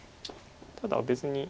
ただ別に。